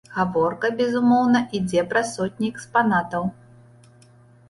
Гаворка, безумоўна, ідзе пра сотні экспанатаў.